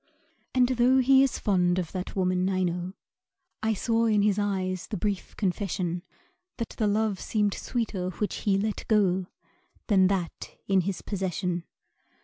And tho' he is fond of that woman, I know I saw in his eyes the brief confession That the love seemed sweeter which he let go Than that in his possession.